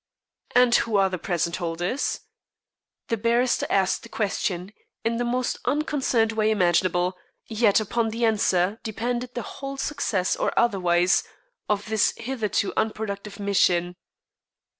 "And who are the present holders?" The barrister asked the question in the most unconcerned way imaginable, yet upon the answer depended the whole success or otherwise of this hitherto unproductive mission.